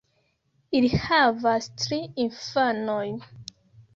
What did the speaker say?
Ili havas tri infanojn.